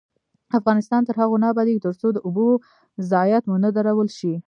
افغانستان تر هغو نه ابادیږي، ترڅو د اوبو ضایعات ونه درول شي.